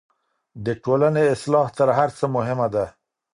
د ټولني اصلاح تر هر څه مهمه ده.